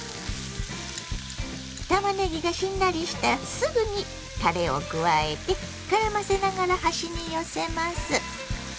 たまねぎがしんなりしたらすぐにたれを加えてからませながら端に寄せます。